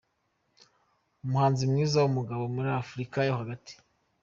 Umuhanzi mwiza w’umugabo muri Afurika yo hagati.